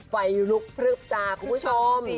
ไฟลุกพลึบจ้าคุณผู้ชม